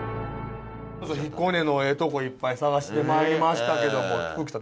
彦根のえぇトコいっぱい探してまいりましたけどもくっきー！